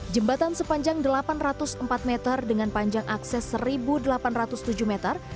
jembatan sepanjang delapan ratus empat meter dengan panjang akses satu delapan ratus tujuh meter